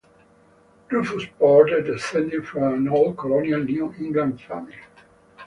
Rufus Porter descended from an old colonial New England family.